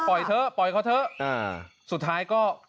ปล่อยเขาเถอะสุดท้ายก็ปล่อยออกมาได้ครับ